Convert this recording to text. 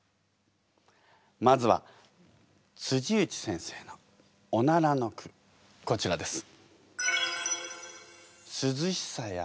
まずは内先生の「おなら」の句こちらです。